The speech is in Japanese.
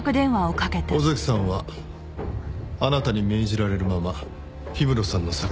尾崎さんはあなたに命じられるまま氷室さんの作品を酷評。